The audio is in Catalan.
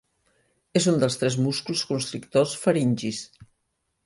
És un dels tres músculs constrictors faringis.